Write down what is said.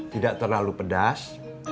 tidak terlalu pedas